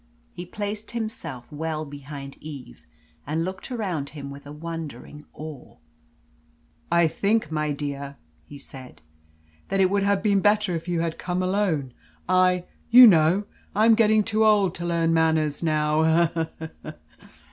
He placed himself well behind Eve, and looked around him with a wondering awe. "I think, my dear," he said, "that it would have been better if you had come alone. I you know I am getting too old to learn manners now eh he! he!